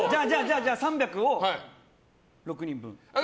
じゃあ、３００を６人分。